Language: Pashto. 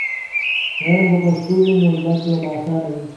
که علم په پښتو وي، نو زده کړه به اسانه وي.